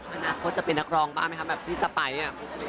อันนั้นเขาจะเป็นนักรองบ้างไหมครับแบบพี่สไป๊อย่างนี้